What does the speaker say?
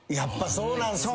そうなんですよ。